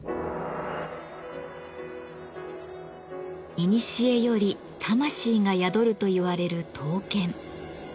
いにしえより魂が宿るといわれる「刀剣」。